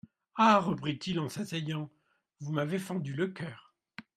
Ah ! reprit-il en s'asseyant, vous m'avez fendu le cœur.